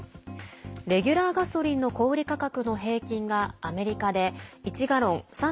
レギュラーガソリンの小売価格の平均がアメリカで１ガロン＝３．７８